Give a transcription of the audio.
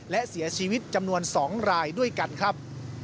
และเสียชีวิตจำนวน๒รายด้วยกันครับ